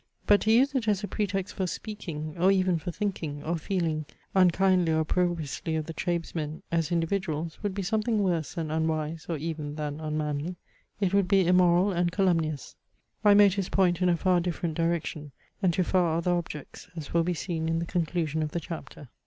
But to use it as a pretext for speaking, or even for thinking, or feeling, unkindly or opprobriously of the tradesmen, as individuals, would be something worse than unwise or even than unmanly; it would be immoral and calumnious. My motives point in a far different direction and to far other objects, as will be seen in the conclusion of the chapter.